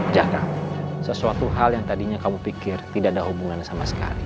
jangka sesuatu hal yang tadinya kamu pikir tidak ada hubungannya sama sekali